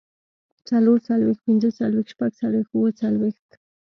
څلورڅلوېښت، پينځهڅلوېښت، شپږڅلوېښت، اووهڅلوېښت